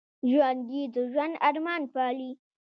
ژوندي د ژوند ارمان پالي